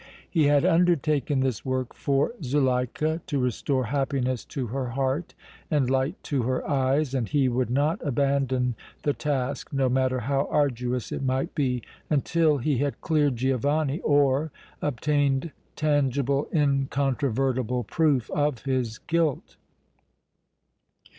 He had undertaken this work for Zuleika, to restore happiness to her heart and light to her eyes, and he would not abandon the task, no matter how arduous it might be, until he had cleared Giovanni or obtained tangible, incontrovertible proof of his guilt!